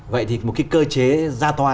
vậy thì một cái cơ chế ra tòa